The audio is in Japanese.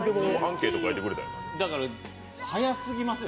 だから、早すぎません？